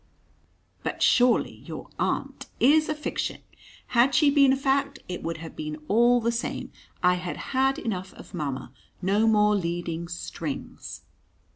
"But surely your aunt " "Is a fiction. Had she been a fact it would have been all the same. I had had enough of mamma. No more leading strings!"